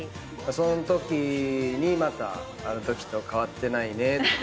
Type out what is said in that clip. そんときにまたあのときと変わってないねって。